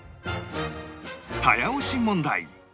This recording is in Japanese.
早押し問題